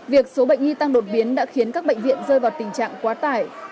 việc số bệnh nhi tăng đột biến đã khiến các bệnh viện rơi vào tình trạng quá tải